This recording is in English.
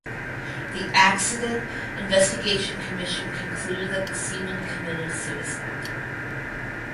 The Accident Investigation Commission concluded that the seaman committed suicide.